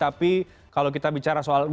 tapi kalau kita bicara tentang hal yang lain